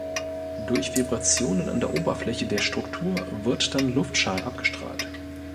Durch Vibrationen an der Oberfläche der Struktur wird dann Luftschall abgestrahlt.